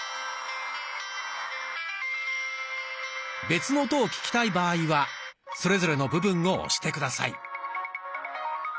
別の音を聞きたい場合はそれぞれの部分を押して下さい。